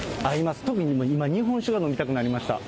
特に今、日本酒が飲みたくなりました。